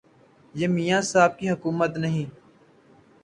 یہ میاں صاحب کی حکومت نہیں